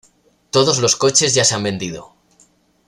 Todos los coches ya se han vendido.